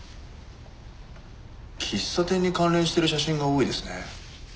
喫茶店に関連してる写真が多いですね。